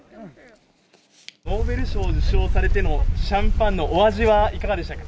ノーベル賞を受賞されてのシャンパンのお味はいかがでしたか？